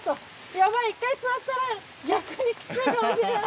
ヤバい１回座ったら逆にキツイかもしれない。